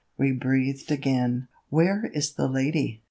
We breathed again. "Where is the lady?"